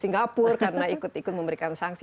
singapura karena ikut ikut memberikan sanksi